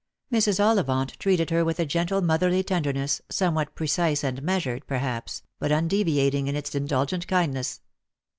Mrs. Ollivant treated her with a gentle motherly tenderness, somewhat pre cise and measured, perhaps, but undeviating in its indulgent kindness.